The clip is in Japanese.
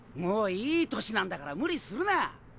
もういい歳なんだから無理するな！